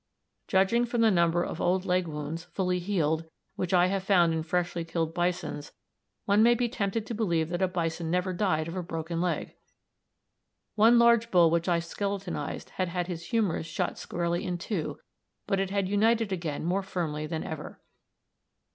Judging from the number of old leg wounds, fully healed, which I have found in freshly killed bisons, one may be tempted to believe that a bison never died of a broken leg. One large bull which I skeletonized had had his humerus shot squarely in two, but it had united again more firmly than ever.